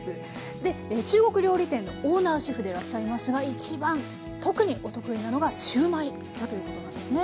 で中国料理店のオーナーシェフでいらっしゃいますが一番特にお得意なのがシューマイだということなんですね？